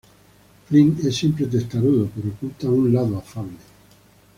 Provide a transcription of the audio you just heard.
Flint es siempre testarudo, pero oculta un lado afable.